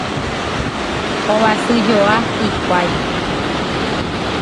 Hovasyjoa hikuái.